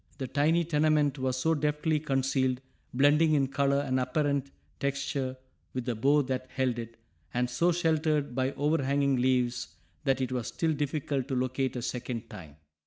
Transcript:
The tiny tenement was so deftly concealed, blending in color and apparent texture with the bough that held it, and so sheltered by overhanging leaves that it was still difficult to locate a second time.